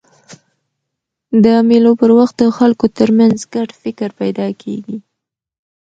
د مېلو پر وخت د خلکو ترمنځ ګډ فکر پیدا کېږي.